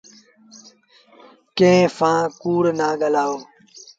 ڪݩهݩ سآݩ ڪوڙ نا ڳآلآئو۔